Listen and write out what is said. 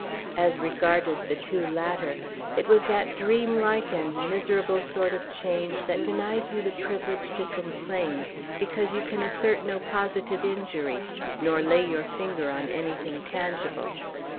As regarded the two latter, it was that dreamlike and miserable sort of change that denies you the privilege to complain, because you can assert no positive injury, nor lay your finger on anything tangible.